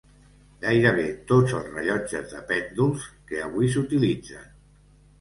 Gairebé tots els rellotges de pèndols que avui s'utilitzen.